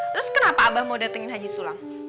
terus kenapa abah mau datengin haji sulang